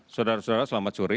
saudara saudara selamat sore